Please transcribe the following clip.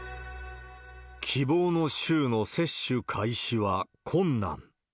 希望の週の接種開始は困難。